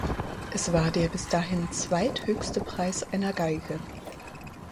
Es war der bis dahin zweithöchste Preis einer Geige.